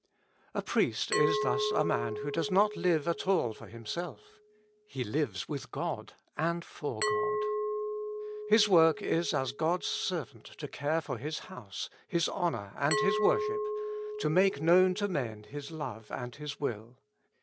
A priest is thus a man who does not at all live for himself. He lives with God ajid for God. His work is as God's servant to care for His house, His honor, and His worship, to make known to men His love and His will.